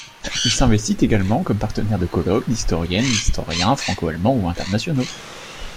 Il s’investit également comme partenaire de colloques d’historiennes et historiens franco-allemands ou internationaux.